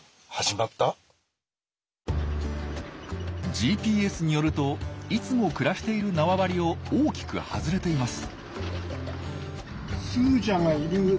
ＧＰＳによるといつも暮らしている縄張りを大きく外れています。